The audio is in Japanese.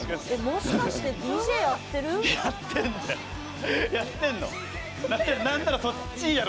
もしかしてＤＪやってる？